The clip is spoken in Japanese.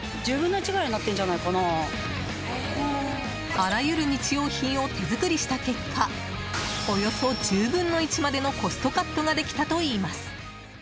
あらゆる日用品を手作りした結果およそ１０分の１までのコストカットができたといいます。